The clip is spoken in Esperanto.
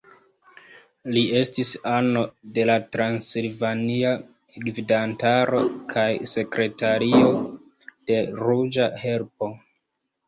Li estis ano de la transilvania gvidantaro kaj sekretario de Ruĝa Helpo.